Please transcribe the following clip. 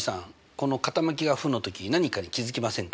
この傾きが負の時何かに気付きませんか？